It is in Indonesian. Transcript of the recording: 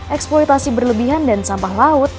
eksploitasi berlebihan dan sampah laut